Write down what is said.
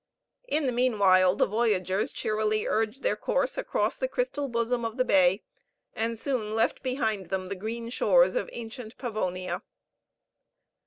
In the meanwhile the voyagers cheerily urged their course across the crystal bosom of the bay, and soon left behind them the green shores of ancient Pavonia.